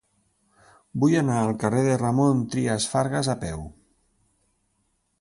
Vull anar al carrer de Ramon Trias Fargas a peu.